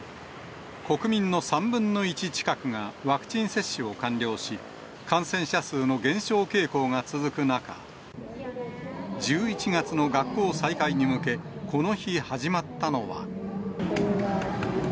国民の３分の１近くがワクチン接種を完了し、感染者数の減少傾向が続く中、１１月の学校再開に向け、この日、始まったのは。